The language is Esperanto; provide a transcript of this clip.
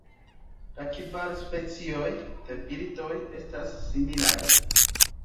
La kvar specioj de birdoj estas similaj.